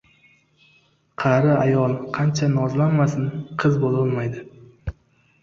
qari ayol qancha nozlanmasin qiz bo‘lolmaydi.